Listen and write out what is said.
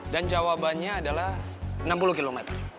dan jawabannya adalah enam puluh km